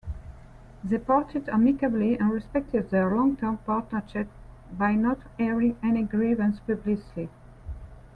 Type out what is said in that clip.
They parted amicably and respected their long-term partnership by not airing any grievance publicly.